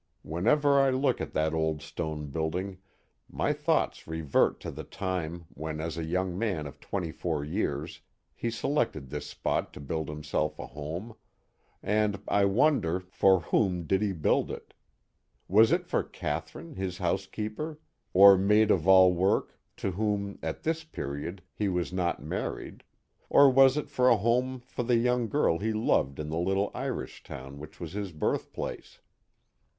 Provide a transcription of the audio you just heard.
When ever I look at that old stone building, my thoughts revert to the time when, as a young man of twenty four years, he selected this spot to build himself a home, and I wonder, for CT^ Mi*!! Hi I*" ■ Jim*'" ' Guy Park and Fort Johnson 131 whom did he build it ? Was it for Catherine, his housekeeper, or maid of all work, to whom, at this period, he was not married, or was it for a home for the young girl he loved in the little Irish town which was his birthplace